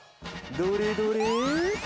どれどれ？